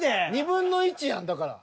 ２分の１やんだから。